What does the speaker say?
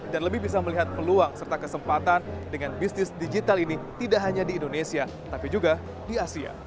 dan lebih bisa melihat peluang serta kesempatan dengan bisnis digital ini tidak hanya di indonesia tapi juga di asia